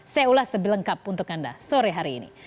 saya ulas lebih lengkap untuk anda sore hari ini